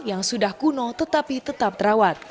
yang sudah kuno tetapi tetap terawat